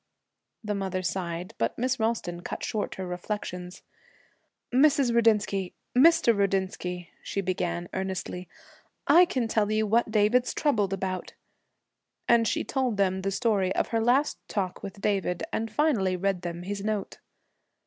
The mother sighed, but Miss Ralston cut short her reflections. 'Mrs. Rudinsky Mr. Rudinsky,' she began eagerly, 'I can tell you what David's troubled about.' And she told them the story of her last talk with David, and finally read them his note.